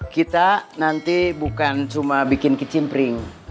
kita nanti bukan cuma bikin kecimpring